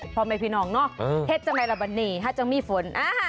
พรหมายพี่นองเนาะเฮ็ดจันโลลาบันนีฮาจังมีฝน